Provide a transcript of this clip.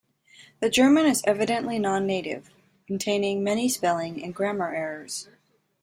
The German is evidently non-native, containing many spelling and grammar errors.